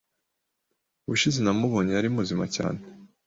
Ubushize namubonye, yari muzima cyane.